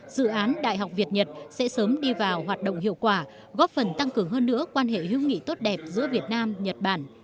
dự án đại học việt nhật sẽ sớm đi vào hoạt động hiệu quả góp phần tăng cường hơn nữa quan hệ hữu nghị tốt đẹp giữa việt nam nhật bản